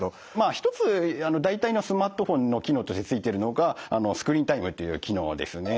一つ大体のスマートフォンの機能としてついているのがスクリーンタイムっていう機能ですね。